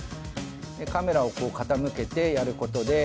カメラをこう傾けてやる事で。